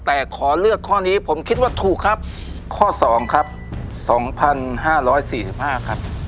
แต่ขอเลือกข้อนี้ผมคิดว่าถูกครับข้อสองครับสองพันห้าร้อยสี่สิบห้าครับ